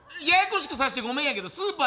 ややこしくさせてごめんやけど。